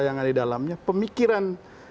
yang ada dalamnya pemikiran